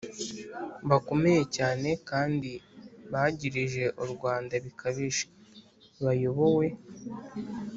bakomeye cyane kandi bagirije u rwanda bikabije) bayobowe